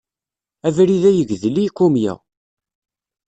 Abrid-a yegdel i yikumya.